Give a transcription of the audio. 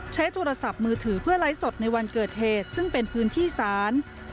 ใช้โทรศัพท์มือถือเพื่อไลฟ์สดในวันเกิดเหตุซึ่งเป็นพื้นที่ศาล